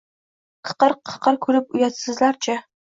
Qiqir-qiqir kulib uyatsizlarcha